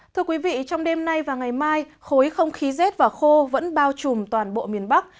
thưa quý vị trong đêm nay và ngày mai khối không khí rét và khô vẫn bao trùm toàn bộ miền bắc